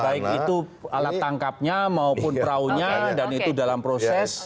baik itu alat tangkapnya maupun peraunya dan itu dalam proses